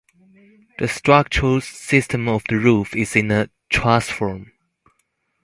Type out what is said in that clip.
The structural system of the roof is in a truss form.